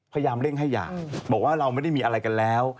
พยายามเร่งให้หย่าบอกว่าเราไม่ได้มีอะไรกันแล้ว